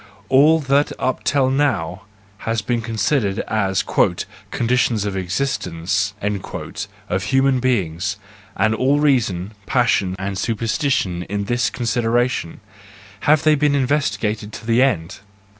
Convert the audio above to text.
All that up till now has been considered as the " conditions of existence," of human beings, and all reason, passion and superstition in this considera¬ tion—have they been investigated to the end?